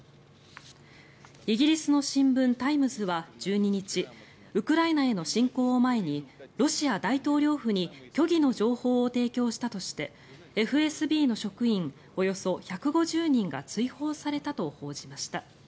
イギリスの新聞タイムズは１２日ウクライナへの侵攻を前にロシア大統領府に虚偽の情報を提供したとしてＦＳＢの職員およそ１５０人が追放されたと報じました。